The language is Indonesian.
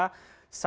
saat ini juga